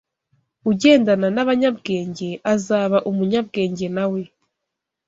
Ugendana n’abanyabwenge, azaba umunyabwenge na we